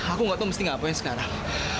aku gak tau mesti ngapain sekarang